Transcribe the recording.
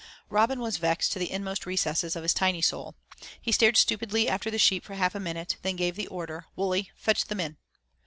Robin was vexed to the inmost recesses of his tiny soul. He stared stupidly after the sheep for half a minute, then gave the order, "Wully, fetch them in."